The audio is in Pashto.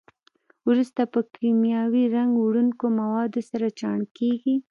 وروسته په کیمیاوي رنګ وړونکو موادو سره چاڼ کېږي.